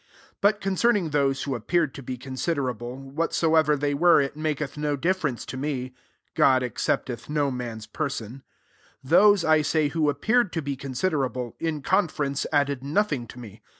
6 But concerning those who ap peared to be considerable, what soever they were, it maketh no difference to me : (God accept eth no man's person :) those, / say^ who appeared to be con* aiderabU, in conference added nothing to me.